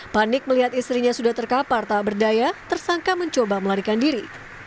panik melihat istrinya sudah terkapar tak berdaya tersangka mencoba melarikan diri